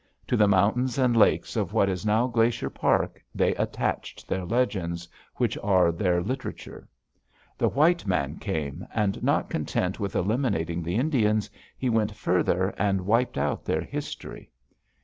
To the mountains and lakes of what is now Glacier Park, they attached their legends, which are their literature. The white man came, and not content with eliminating the Indians, he went further and wiped out their history.